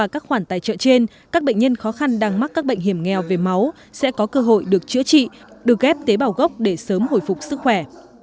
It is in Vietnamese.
các bệnh nhân khó khăn đang mắc các bệnh hiểm nghèo về máu sẽ có cơ hội được chữa trị được ghép tế bào gốc để sớm hồi phục sức khỏe